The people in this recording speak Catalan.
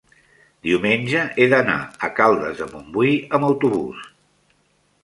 diumenge he d'anar a Caldes de Montbui amb autobús.